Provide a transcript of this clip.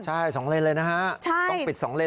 ใช่สองเลนเลยนะฮะต้องปิดสองเลน